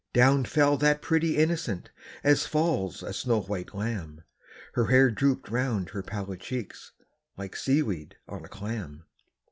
Down fell that pretty innocent, as falls a snow white lamb, Her hair drooped round her pallid cheeks, like sea weed on a clam.